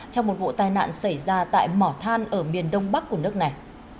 trong một vụ tai nạn xảy ra tại mỏ than ở miền đông bắc của nước này